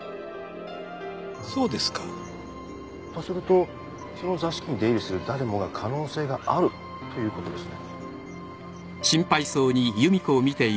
そうですか。とするとその座敷に出入りする誰もが可能性があるということですね？